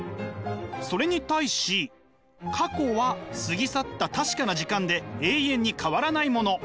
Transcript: それに対し過去は過ぎ去った確かな時間で永遠に変わらないもの。